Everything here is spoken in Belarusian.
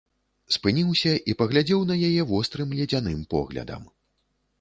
Спыніўся і паглядзеў на яе вострым ледзяным поглядам.